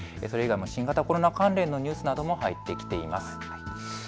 それ以外も新型コロナ関連のニュースなども入ってきています。